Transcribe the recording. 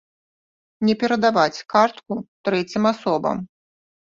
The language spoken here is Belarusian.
Не перадаваць картку трэцім асобам.